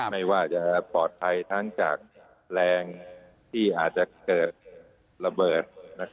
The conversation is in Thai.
ไม่ว่าจะปลอดภัยทั้งจากแรงที่อาจจะเกิดระเบิด